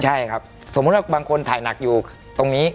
ใช่ครับสมมุติว่าบางคนถ่ายหนักอยู่ตรงนี้